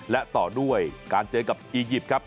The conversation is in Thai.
และต่อด้วยการเจอกับอียิปต์ครับ